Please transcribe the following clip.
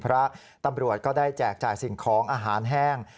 พระตำรวจก็ได้แจกจ่ายสิ่งของอาหารแห้ง